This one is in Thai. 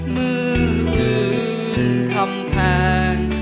มื้อหื้นทำแพง